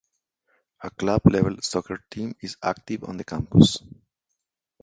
A club level soccer team is active on the campus.